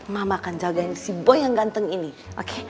mama akan jagain si bo yang ganteng ini oke